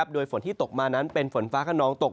โดยฝนที่ตกมานั้นเป็นฝนฟ้าขนองตก